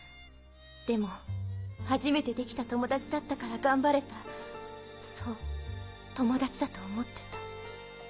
でも初めてできた友達だったから頑張れたそう友達だと思ってた。